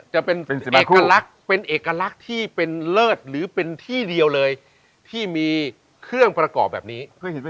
จะเป็นเอกลักษณ์เป็นเอกลักษณ์ที่เป็นเลิศหรือเป็นที่เดียวเลยที่มีเครื่องประกอบแบบนี้